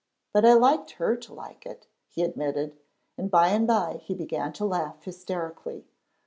"But I liked her to like it," he admitted, and by and by he began to laugh hysterically.